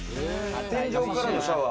天井からのシャワー。